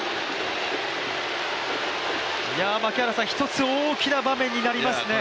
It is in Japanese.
一つ大きな場面になりますね。